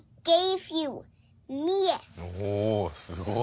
おおすごい！